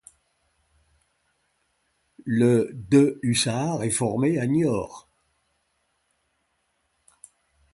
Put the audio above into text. Le de hussards est formé à Niort.